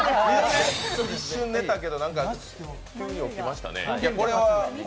一瞬寝たけど、急に起きましたね。